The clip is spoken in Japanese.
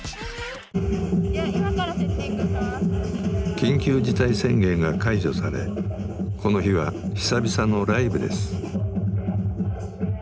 緊急事態宣言が解除されこの日は久々のライブです。